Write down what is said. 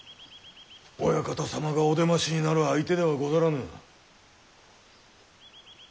お屋形様がお出ましになる相手ではござらぬ。